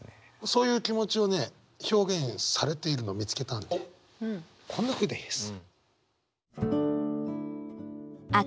そういう気持ちをね表現されているのを見つけたんでこんなふうです。